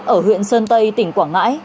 ở huyện sơn tây tỉnh quảng ngãi